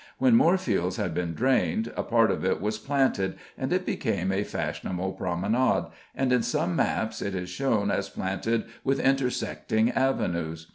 When Moorfields had been drained, a part of it was planted, and it became a fashionable promenade, and in some maps it is shown as planted with intersecting avenues.